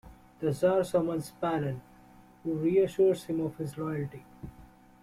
The czar summons Pahlen, who reassures him of his loyalty.